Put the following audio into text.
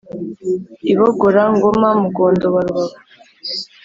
I Bogora- ngoma, Mugondo wa Rubavu.